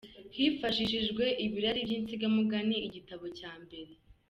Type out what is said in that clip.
Hifashishijwe Ibirari by’ insigamugani, igitabo cya mbere.